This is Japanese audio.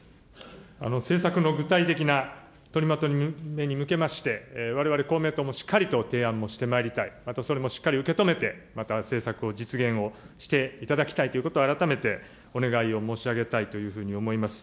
政策の具体的な取りまとめに向けまして、われわれ公明党もしっかりと提案もしてまいりたい、また総理もしっかり受け止めて、政策を実現をしていただきたいということを改めてお願いを申し上げたいというふうに思います。